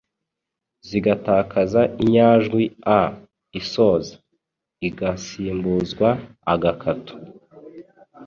zigatakaza inyajwi “a” isoza igasimbuzwa agakato (’);